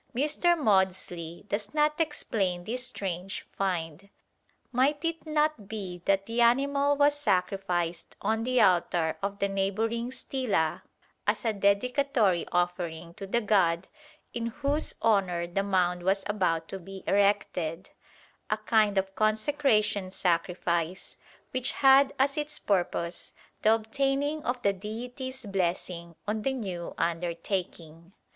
Mr. Maudslay does not explain this strange find. Might it not be that the animal was sacrificed on the altar of the neighbouring stela as a dedicatory offering to the god in whose honour the mound was about to be erected; a kind of consecration sacrifice which had as its purpose the obtaining of the deity's blessing on the new undertaking.